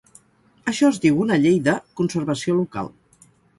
Això es diu una llei de "conservació local".